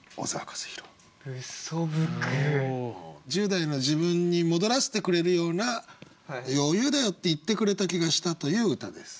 １０代の自分に戻らせてくれるような「余裕だよ」って言ってくれた気がしたという歌です。